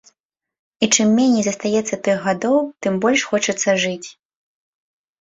І чым меней застаецца тых гадоў, тым больш хочацца жыць.